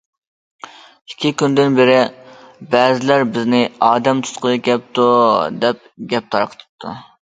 ئىككى كۈندىن بېرى بەزىلەر بىزنى« ئادەم تۇتقىلى كەپتۇ» دەپ گەپ تارقىتىپتۇ.